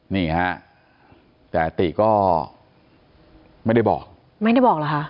นี่ฮะแต่ติก็ไม่ได้บอก